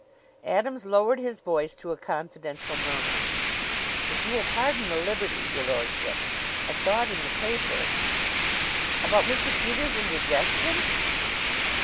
Adams lowered his voice to a confidential murmur: "If you will pardon the liberty, your lordship I saw it in the paper " "About Mr. Peters' indigestion?"